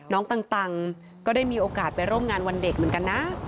ตังก็ได้มีโอกาสไปร่วมงานวันเด็กเหมือนกันนะ